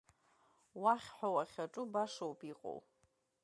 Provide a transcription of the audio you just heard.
Уахь ҳәа уахьаҿу башоуп иҟоу.